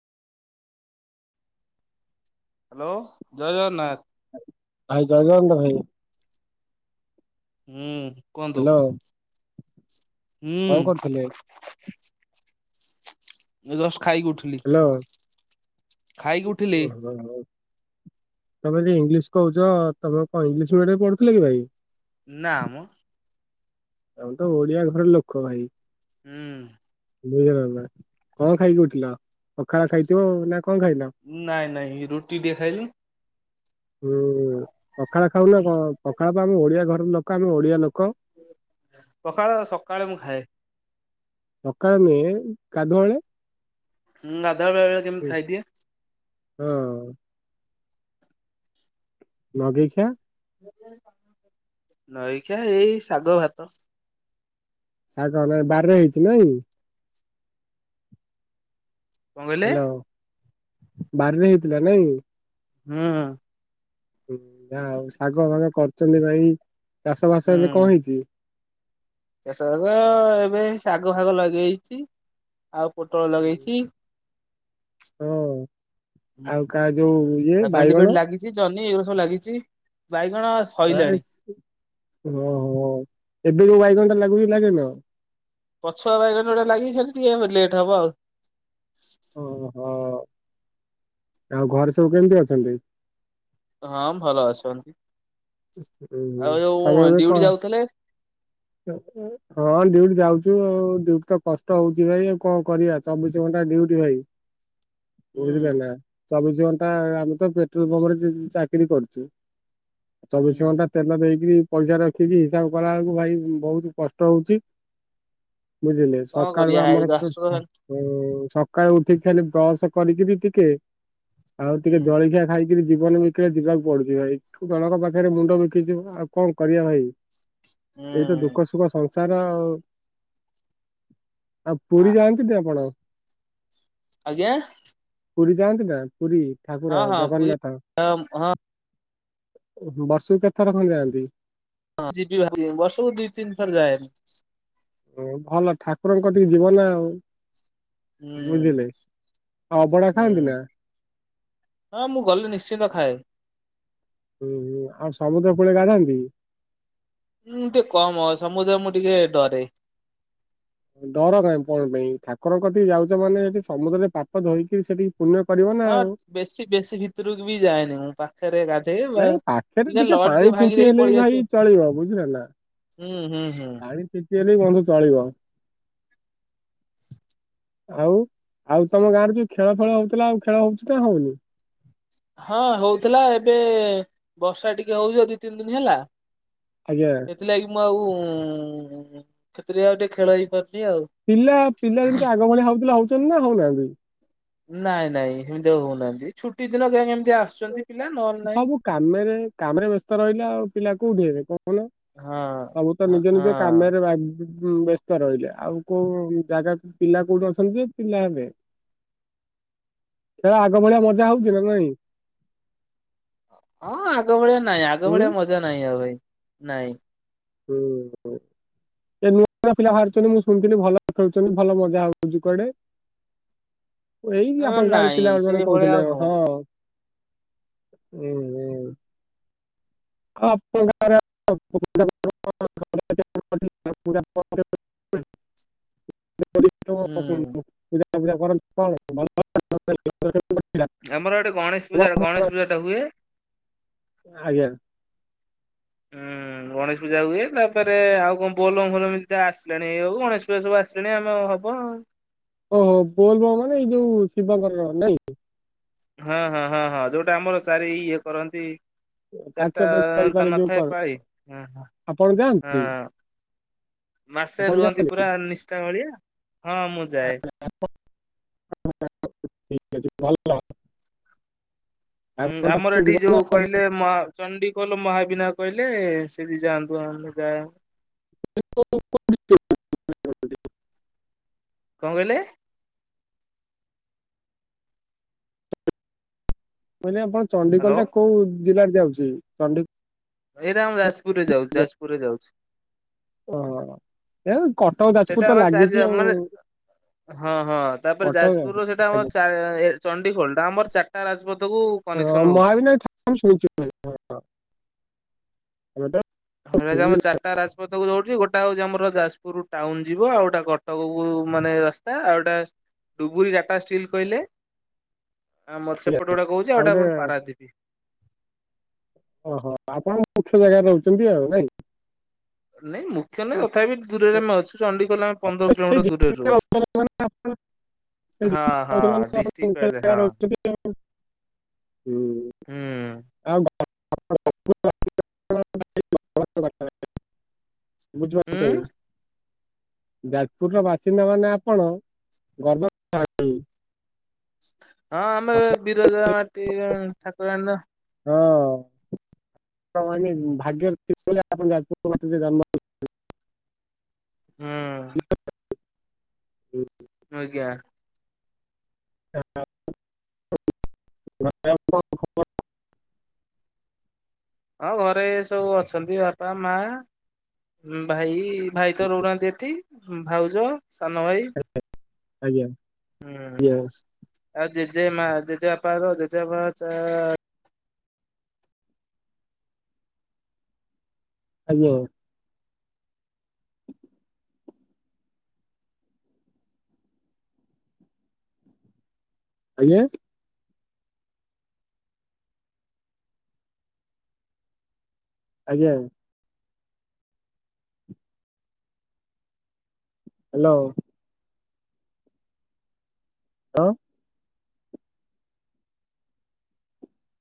Hello ଜୟ ଜଗନ୍ନାଥ। ଭାଇ ଜୟଗଣ୍ଡ ରେ। ହୁଁ। କୁହନ୍ତୁ ହ୍ୟାଲୋ। କଣ କରୁଥିଲେ? ହୁଁ। ଖାଇକି ଉଠିଲି ହ୍ୟାଲୋ ଖାଇକି [unintelligible] ଉଠିଲି ତମେ ଯି ଇଂଲିଶ କହୁଛ ତମେ କଣ ଇଂଲିଶ ମିଡିମରେ ପଢୁଥିଲ କି ଭାଇ? ନାଆମ। ଆମେ ତ ଓଡିଆ ଘରର ଲୋକ ଭାଇ। ହୁଁ। ବୁଇଥର ହେଲା କଣ ଖାଇକି ଉଠିଲ ପଖାଳ ଖାଇଥିବ ଆଉ। ନାଇଁ ନାଇଁ ରୁଟି ଟିକେ ଖାଇଲି। ହୁଁ ପଖାଳ ଖାଉନା କ ପଖାଳ ଆମ ଓଡିଆ ଘର ଲୋକ ଆମେ ଓଡିଆ ଲୋକ। ପକାଳ ସକାଳେ ମୁଁ ଖାଏ। ସକାଳେ ନୁହେଁ ଗାଧୁଆଳେ ହୁଁ ଗାଧୁଆବେଳରେ ବେଳେ ବେଳେ କେମିତି ଖାଇଦିଏ। ହିଁ। ନଗେଇ ଖିଆ ଲଗେଇଖିଆ ଏଇ ଶାଗ, ଭାତ। ଶାଗ ନା ବାରରେ ହେଇଛି ନାଇଁ? କଣ କହିଲେ? ହ୍ୟାଲୋ ବାରିରେ ହେଇଥିଲା ନାଇଁ? ହୁଁ। ହୁଁ ଯାହଉ ଶାଗ ଫାଗ କରୁଛନ୍ତି ଭାଇ, ଚାଷ ବାସ ଏବେ ହୁଁ କଣ ହେଇଛି? ଚାଷ ବାସ ଏବେ ଶାଗ ଫାଗ ଲଗେଇଛି। ଆଉ ପୋଟଳ ଲଗେଇଛି। ହଁ ଆଉ କା ଯୋଉ ଇଏ ବାଇଗଣ। କି ଗଛ ଲାଗିଛି? ବାଇଗଣ ସଇଲାଣି ଆହେସ୍ ଓହୋ, ଏବେ ଯୋଉ ବାଇଗଣଟା ଲାଗୁଛି ଲଗେଇନ ଆଉ? ପଛୁଆ ବାଇଗଣ ଗୁଡା ଲାଗି ସେମିତି ଟିକେ ଲେଟ୍ ହବ ଆଉ। ଓହୋ। ଆଉ ଘରେ ସବୁ କେମିତି ଅଛନ୍ତି? ହଁ ଭଲ ଅଛନ୍ତି। ହୁଁ ହୁଁ ଆଉ ତମେ ଯୋଉ ଏବେ ଡିଉଟି କଣ, ଯାଉଥିଲେ ହଁ ଡିଉଟି ଯାଉ ଚୁ ଆଉ ଡିଉଟି ତ କଷ୍ଟ ହଉଛି ଭାଇ ଆଉ କଣ କରିବା ଚବିଶ ଘଣ୍ଟା ଡିଉଟି ଭାଇ। ମୁ ହୁଁ କିଛି ଜାଣେନା ଚବିଶ ଘଣ୍ଟା ଆମେ ତ ପେଟ୍ରୋଲ ପମ୍ପ ରେ ଚାକିରି କରୁଛୁ। ହୁଁ ଚବିଶି ଘଣ୍ଟା ତେଲ ଦେଇକିରି ପଇସା ରଖିକି ହିସାବ କଲା ବେଳକୁ ଭାଇ ବହୁତ କଷ୍ଟ ହଉଛି। ବୁଝିଲେ କଣ ସକାଳୁ କରିବା ବା ଆମର ହାଇଡ୍ରାଷ୍ଟର ସବୁ ସକାଳୁ ଉଠିକି ଖାଲି ବ୍ରସ କରିକି ବି ଟିକେ ଆଉ ହୁଁ ଟିକେ ଜଳଖିଆ ଖାଇକିରି ଜୀବନ ବିକଳେ ଯିବାକୁ ପଡୁଛି ଭାଇ, ଜଣଙ୍କ ପାଖରେ ମୁଣ୍ଡ ବିକିଛୁ ଆଉ କଣ କରିବା ଭାଇ। ଏଇତ ହୁଁ ଦୁଃଖ ସୁଖ ସଂସାର ଆଉ। ଆଉ ଆ ପୁରୀ ଯାଆନ୍ତିନି ଆପଣ? ଆଜ୍ଞା? ପୁରୀ ଯାଆନ୍ତି ନା ପୁରୀ ହଁ ଠାକୁର ହଁ ପୁରୀ ଜଗନ୍ନାଥ? ହଁ ହଁ ବର୍ଷକୁ କେତଥର କଣ ଯାଆନ୍ତି? ହଁ ଯିବି ବାହାରି ବର୍ଷକୁ ଦିଇ ତିନି ଥର ଯାଏ। ହୁଁ ଭଲ ଠାକୁରଙ୍କ କତିକି ଯିବ ନା ଆଉ। ବୁଝିଲେ ଆଉ ଅଭଡା ଖାଆନ୍ତି ହୁଁ ନା? ହଁ ମୁଁ ଗଲେ ନିଶ୍ଚିନ୍ତ ଖାଏ। ହୁଁ ହୁଁ ଆଉ ସମୁଦ୍ର କୂଳେ ଗାଧାନ୍ତି? ହୁଁ ଟିକେ କମ୍, ସମୁଦ୍ର ମୁଁ ଟିକେ ଡରେ। ଡର କାଇଁ କଣ ପାଇଁ, ଠାକୁରଙ୍କ କତିକି ଯାଉଛ ମାନେ ଯଦି ସମୁଦ୍ରରେ ପାପ ଧୋଇକିରି ସେଠି ପୁଣ୍ୟ କରିବ ନା ହଁ ଆଉ। ବେଶୀ ବେଶୀ ଭିତରକୁ ବି ଯାଏନି ମୁଁ ପା ନାଇଁ ପାଖରେ ଟିକେ ପାଣି ଭାଙ୍ଗି ଛିଞ୍ଚି ଦେଇକି ହେଲେ ପଳେଇ ବି ଆସେ ଭାଇ ଚଳିବ ବୁଝିଲ ନା। ହୁଁ ହୁଁ ହୁଁ ପାଣି ଛିଞ୍ଚି ହେଲେ ବି ବନ୍ଧୁ ଚଳିବ। ଆଉ ଆଉ ତମ ଗାଁରେ ଯୋଉ ଖେଳ ଫେଳ ହଉଥିଲା ଆଉ ଖେଳ ହଉଚି ନା ହଉନି? ହଁ ହଉଥିଲା ଏବେ ବର୍ଷା ଟିକେ ହଉଛି ଦି ତିନି ଦିନ ହେଲା ଆଜ୍ଞା। ସେଥିଲାଗି ଆଉ ସେଥିରେ ଆଉ ଟିକେ ଖେଳ ହେଇପାରୁନି ଆଉ। ପିଲା ପିଲା ଯେମିତି ଆଗ ଭଳିଆ ହଉଥିଲେ ହଉଛନ୍ତି ନା ହଉନାହାନ୍ତି? ନାଇ ନାଇ ସେମିତି ଆଉ ହଉନାହାନ୍ତି ଛୁଟି ଦିନ କେ କେମିତି ସବୁ କାମରେ କାମରେ ବ୍ୟସ୍ତ ରହିଲେ ଆଉ ପିଲା କୋଉଠି ହେବେ କହୁ ନ ହଁ ସବୁ ତ ହଁ ନିଜ ନିଜ ହଁ କାମରେ ବା ବ୍ୟସ୍ତ ରହିଲେ ଆଉ କୋଉ ଜାଗା ପିଲା କୋଉଠି ଅଛନ୍ତି ଯେ ପିଲା ହେବେ। ଖେଳ ଆଗ ଭଳିଆ ମଜା ହଉଛି ନା ନାହିଁ? ହଁ ଆଗ ଭଳିଆ ନାଇଁ ଆଗ ହୁଁ। ଭଳିଆ ମଜା ନାହିଁ ଆଉ ଭାଇ ନାଇଁ। ହୁଁ, ହୁଁ। ଏ ନୂଆ ନୂଆ ପିଲା ବାହାରୁଚନ୍ତି। ମୁଁ ଶୁଣିଥିଲି ଭଲ ଖେଳୁଚନ୍ତି। ଭଲ ମଜା ହଉଚି କୁଆଡେ। ଏଇ ଆପଣଙ୍କ ଗାଁ ର ନାଇଁ ପିଲା ମାନେ ସେଇଭଳିଆ କହୁଥିଲେ ଆଉ ହଁ। ହଉନି। ହୁଁ, ହୁଁ। ହଁ ଆପଣଙ୍କ [inaudible] [unintelligible] [inaudible] ପୂଜା ହୁଁ ଫୂଜା କରନ୍ତି କଣ [inaudible] ଆମର ଏଠି ଗଣେଶ ପୂଜା ଗଣେଶ ପୂଜା ଟା ହୁଏ। ଆଜ୍ଞା। ହୁଁ। ହୁଁ, ଗଣେଶ ପୂଜା ହୁଏ। ତାପରେ ଆଉ କଣ ବୋଲମ ଫୋଲମ ଏଇ ତ ଆସିଲାଣି। ଏଇ ଆଉ ଗଣେଶ ପୂଜା ସବୁ ଆସିଲାଣି ଆମ ହ କଣ? ଓହୋ! ବୋଲବୋମ ମାନେ ଏଇ ଯୋଉ ଶିବଙ୍କର ନାଇଁକି? ହଁ, ହଁ, ହଁ, ହଁ ଯୋଉଟା ଆମର ଚାରି ଇଏ କରନ୍ତି ପାଞ୍ଚ ଚାରିଟା ପାଇଁ ଚାରି ତା ପାଳି ଯୋଉ ନଥାଏ କଣ ପାଳି, ଆପଣ ଯାଆନ୍ତି ହଁ। ମାସେ ଆପଣ ରୁହନ୍ତି ଯାଆନ୍ତି ପୁରା ନିଷ୍ ଟା ଭଳିଆ। ହଁ ମୁଁ ଯାଏ। ଠିକ ଅଛି ଭଲ। ହୁଁ, ଆପଣଙ୍କ ଆମର ପାଖକୁ ଏଠି ଯିବ ଯୋଉ ନା କହିଲେ ମହା ଚଣ୍ଡିଖୋଲ ମହାବିନାୟକ କହିଲେ ସେଠି ଯାଆନ୍ତୁ। ଆମେ ଯାଏ। [inaudible] କଣ କହିଲେ? ମାନେ ଆପଣ ଚଣ୍ଡିଖୋଲ ହ୍ୟାଲୋ ଟା କୋଉ ଜିଲ୍ଲାରେ ଯାଉଚି? ଚଣ୍ଡି ଏଇଟା ଆମ ଯାଜପୁରରେ ଯାଉ, ଯାଜପୁରରେ ଯାଉଛି। ଓହୋ, ଏ କଟକ ସେଟା ଯାଜପୁର ତ ଆମ ଲାଗିଚି ଚାରି ଆଉ। ମାନେ ହଁ, ହଁ ତାପରେ କଟକ ଯାଜପୁର ର ସେଟା ଆମ ଆଜ୍ଞା ଚା-ଏ ଚଣ୍ଡିଖୋଲ ଟା ଆମର ଚାରଟା ରାଜପଥ ଥକୁ ହଁ, କନେକ୍ସନ ହଉଛି। ମହାବିନାୟକ ଠାକୁର ଆମେ ଶୁଣିଛୁ ହଁ, ଆମେ ତ ହେଲେ ଯେ ଆମ ଚାରଟା ରାଜପଥକୁ ଦଉଚି। ଗୋ ଟା ହଉଚି ଆମର ଯାଜପୁର ଟାଉନ୍ ଯିବ। ଆଉ ଗୋଟା କଟକକୁ ମାନେ ରାସ୍ତା। ଆଉ ଗୋଟା ଡୁବୁରି ଡାଟା ଷ୍ଟିଲ୍ କହିଲେ ଆମର ସେପଟେ ଗୋଟେ କହୁଚି। ଆଉ ଏଟା ଆପଣ ପାରାଦୀପ। ଓହୋ! ଆପଣ ମୁଖ୍ୟ ଜାଗାରେ ରହୁଚନ୍ତି ଆଉ ନାଇଁ? ନାଇଁ ମୁଖ୍ୟ ନୁହେଁ ତ ଥାପି ଦୂରରେ ଆମେ ଅଛୁ। ଚଣ୍ଡିଖୋଲ ଆମ ପନ୍ଦର ସେଇ କିଲୋମିଟର୍ ଦୂରରେ ରହୁଛୁ। ସେଇଠି ହଁ ହଁ [inaudible] ଡିଷ୍ଟ୍ରିକ୍ଟ କହିଲେ ହଁ ରହୁଚନ୍ତି [inaudible] ହୁଁ, ହୁଁ। ଆଉ [unintelligible] [inaudible] ହୁଁ ବୁଝିପାରୁଚନ୍ତି। ଯାଜପୁର ର ବାସିନ୍ଦା ମାନେ ଆପଣ ଗର୍ବ ଥାନ୍ତି। ହଁ ଆମର ବିରଜା ମାଟି ର ଠାକୁରାଣୀ ନା। ହଁ। ତ ମାନେ ଭାଗ୍ୟରେ ଥିଲେ ବୋଲେ ଆପଣ ଯାଜପୁର ମାଟିରେ ଜନ୍ମ ହୋଇ [inaudible] ହୁଁ ହୁଁ। ଆଜ୍ଞା। [inaudible] ଛି ହଁ ଘରେ ସବୁ ଅଛନ୍ତି ବାପା, ମା, ଉଁ, ଭାଇ। ଭାଇ ତ ରହୁନାହାନ୍ତି ଏଠି। ଉଁ, ଭାଉଜ ସାନ ଭାଇ। ଆଜ୍ଞା। ହୁଁ, ଆଉ ଜେଜେମା ଜେଜେବାପାର ଜେଜେବାପା ଚା ଆଜ୍ଞା। ଆଜ୍ଞା। ଆଜ୍ଞା। ହାଲୋ। ଅ